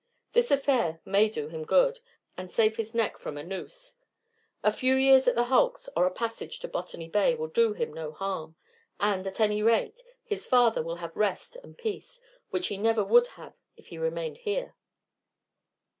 This affair may do him good, and save his neck from a noose. A few years at the hulks or a passage to Botany Bay will do him no harm; and, at any rate, his father will have rest and peace, which he never would have if he remained here."